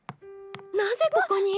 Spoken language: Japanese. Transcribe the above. なぜここに？